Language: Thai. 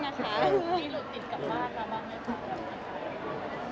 มีรุดจิตกับมากบ้างไหม